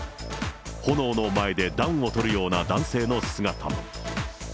炎の前で暖をとるような男性の姿も。